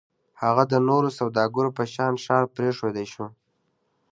هغه د نورو سوداګرو په شان ښار پرېښودای شو.